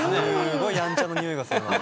すごいやんちゃのにおいがするな。